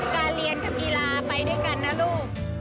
การเรียนกับกีฬาไปด้วยกันนะลูก